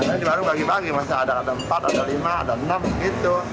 tapi di warung bagi bagi masih ada empat ada lima ada enam gitu